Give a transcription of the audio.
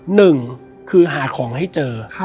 หนึ่งคือหาของให้เจอ